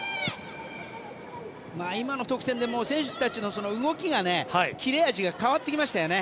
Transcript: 今の得点で選手たちの動きが切れ味が変わってきましたよね